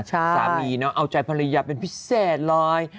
สามีเอาใจภรรยาเป็นพิเศษเลย